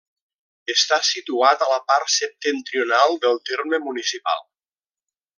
Està situada a la part septentrional del terme municipal.